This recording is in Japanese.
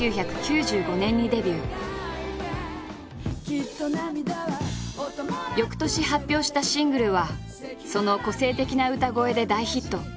「きっと涙は」翌年発表したシングルはその個性的な歌声で大ヒット。